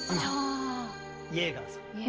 イェーガーさん。